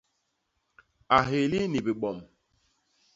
A héli ni bibom.